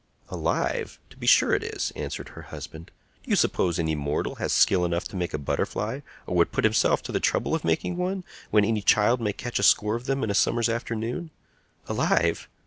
"Alive? To be sure it is," answered her husband. "Do you suppose any mortal has skill enough to make a butterfly, or would put himself to the trouble of making one, when any child may catch a score of them in a summer's afternoon? Alive?